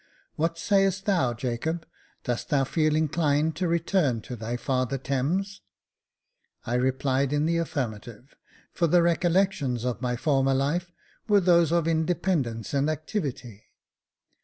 What sayest thou, Jacob, dost thou feel inclined to return to thy father Thames ?" I replied in the affirmative, for the recollections of my former life were those of independence and activity.